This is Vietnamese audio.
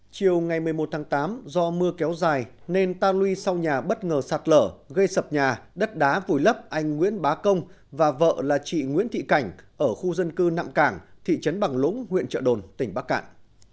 chiều ngày một mươi một tháng tám do mưa kéo dài nên ta lui sau nhà bất ngờ sạt lở gây sập nhà đất đá vùi lấp anh nguyễn bá công và vợ là chị nguyễn thị cảnh ở khu dân cư nạm cảng thị trấn bằng lũng huyện trợ đồn tỉnh bắc cạn